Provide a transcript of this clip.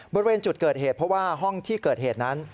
บริเวณจุดเกิดเหตุเพราะว่าห้องที่เกิดเหตุนั้น